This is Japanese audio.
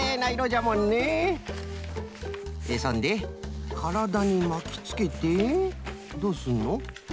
そんでからだにまきつけてどうすんの？